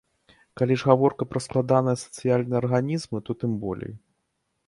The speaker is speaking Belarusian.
Калі ж гаворка пра складаныя сацыяльныя арганізмы, то тым болей.